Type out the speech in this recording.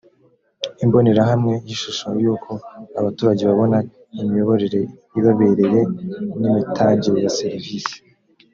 imbonerahamwe y’ishusho y’uko abaturage babona imiyoborere ibabereye n’imitangire ya serivise